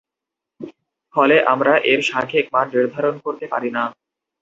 ফলে আমরা এর সাংখ্যিক মান নির্ধারণ করতে পারি না।